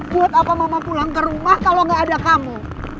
buat apa mama pulang ke rumah kalau nggak ada kamu